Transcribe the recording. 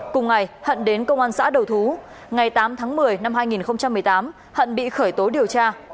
cùng ngày hận đến công an xã đầu thú ngày tám tháng một mươi năm hai nghìn một mươi tám hận bị khởi tố điều tra